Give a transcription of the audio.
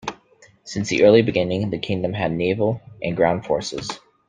Since the early beginning, the Kingdom had naval and ground forces.